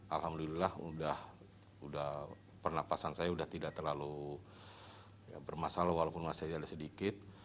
alhamdulillah udah pernafasan saya sudah tidak terlalu bermasalah walaupun masih ada sedikit